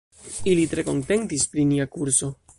Ili tre kontentis pri nia kurso.